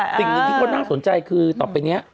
สิ่งหนึ่งที่เขาน่าสนใจคือต่อไปนี้